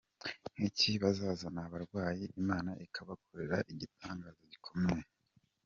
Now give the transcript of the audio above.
nk’iki bazazana abarwayi Imana ikabakorera igitangaza gikomeye.